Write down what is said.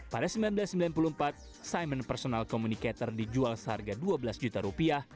pada seribu sembilan ratus sembilan puluh empat simon personal communicator dijual seharga dua belas juta rupiah